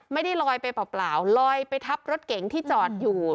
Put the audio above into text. ไม่ได้ลอยไปเปล่าลอยไปทับรถเก๋งที่จอดอยู่